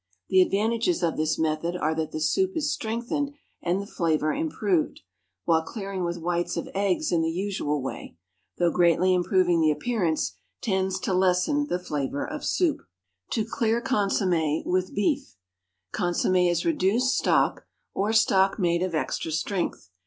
The advantages of this method are that the soup is strengthened and the flavor improved, while clearing with whites of eggs in the usual way, though greatly improving the appearance, tends to lessen the flavor of soup. To clear Consommé with Beef. Consommé is reduced stock, or stock made of extra strength.